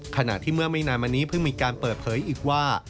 ขณะที่เมื่อไม่นานมานี้เพิ่งมีการเปิดเผยอีกว่า